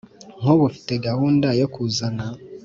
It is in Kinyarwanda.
Nkubu mfite gahunda yo kuzana